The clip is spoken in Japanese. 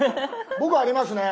僕ありますね。